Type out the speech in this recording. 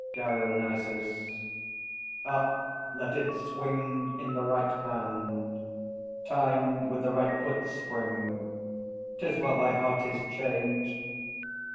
DIONYSUS. Up let it swing In the right hand, timed with the right foot's spring. ... 'Tis well thy heart is changed!